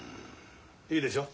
いいでしょう？